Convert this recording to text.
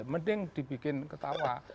mending dibikin ketawa